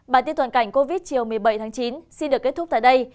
bản tin toàn cảnh covid chiều một mươi bảy tháng chín xin được kết thúc tại đây